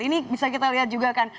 ini bisa kita lihat juga kan